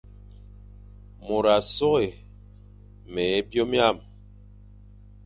Môr a soghé me é byôm hyam,